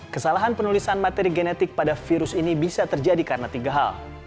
kesalahan penulisan materi genetik pada virus ini bisa terjadi karena tiga hal